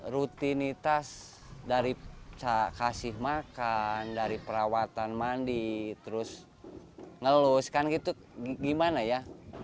rutinitas dari kasih makan dari perawatan mandi terus ngelus kan gitu gimana ya